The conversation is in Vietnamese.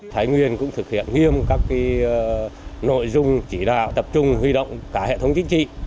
thái nguyên cũng thực hiện nghiêm các nội dung chỉ đạo tập trung huy động cả hệ thống chính trị